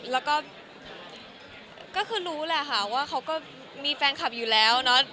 แล้วก็ก็คือรู้แหละค่ะว่าเขาก็มีแฟนคลับอยู่แล้วเนอะ